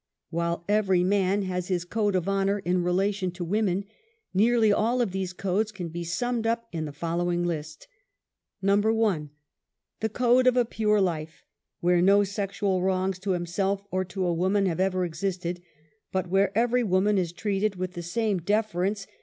While every man has his code of honor in relation to women, nearly all of these codes can be summed up in the following list. 1. The code of a pure life, where no sexual wrongs to himself or to a woman have ever existed, but ^here every woman is treated with the same deference INTRODUCTION.